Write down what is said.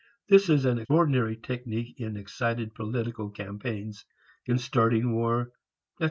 This is an ordinary technique in excited political campaigns, in starting war, etc.